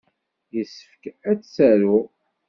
Yessefk ad tt-aruɣ.